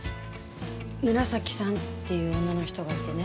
紫さんっていう女の人がいてね。